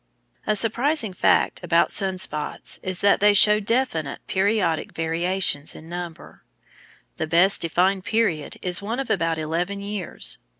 A surprising fact about sun spots is that they show definite periodic variations in number. The best defined period is one of about eleven years.